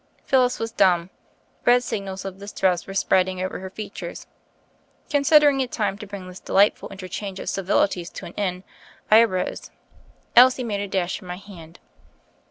Phyllis was dumb. Red signals of distress were spreading over her features. Considering it time to bring this delightful interchange of civilities to an end, I arose. Elsie made a dash for my hand.